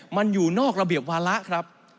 มันอยู่นอกระเบียบวาระครับ